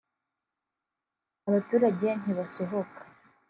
abaturage ntibasohoka